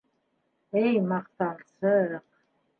— Эй, маҡтансыҡ.